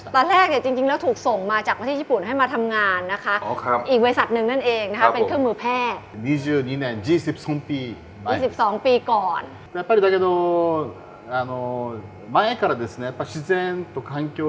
ตอนแรกเนี่ยจริงแล้วถูกส่งมาจากประเทศญี่ปุ่นให้มาทำงานนะคะอีกบริษัทหนึ่งนั่นเองนะคะเป็นเครื่องมือแพทย์